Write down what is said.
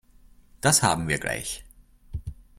Das haben wir gleich.